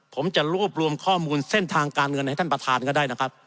ผมจะรวบรวมข้อมูลเส้นทางการเงินให้ท่านประธานก็ได้นะครับ